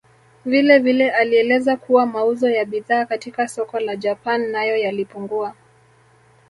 Vilevile alieleza kuwa mauzo ya bidhaa katika soko la Japan nayo yalipungua